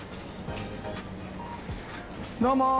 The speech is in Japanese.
どうも！